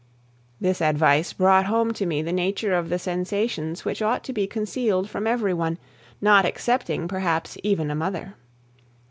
This advice brought home to me the nature of the sensations which ought to be concealed from every one, not excepting perhaps even a mother.